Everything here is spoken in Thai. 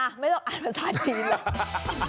ไม่ต้องอ่านภาษาจีนหรอก